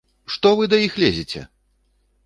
Што вы да іх лезеце?!